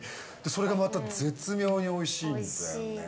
おでんに、それがまた絶妙においしいんだよね。